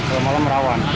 kalau malam rawan